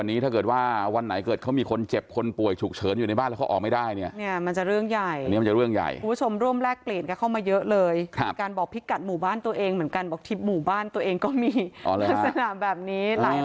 นี่เขาแจ้งข้อหาตรงนี้เอาไว้